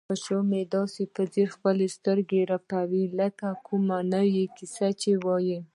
پیشو مې داسې په ځیر خپلې سترګې رپوي لکه د کومې نوې کیسې ویل.